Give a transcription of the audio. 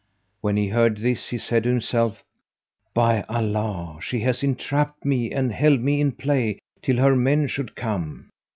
When he heard this, he said to himself, "By Allah, she hath entrapped me and held me in play, till her men should come.